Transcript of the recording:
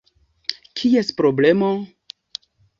Kies problemo?